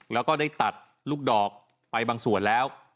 แล้วก็ได้ตัดลูกดอกไปบางส่วนแล้ว